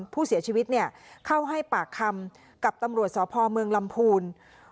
ผู้เสียชีวิตเข้าให้ปากคำกับตำรวจสพเมืองลำพูน